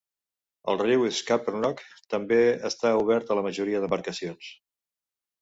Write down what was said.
El riu Scuppernong també està obert a la majoria de embarcacions.